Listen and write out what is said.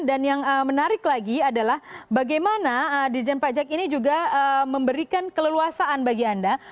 dan yang menarik lagi adalah bagaimana dirijen pajak ini juga memberikan keleluasaan bagi anda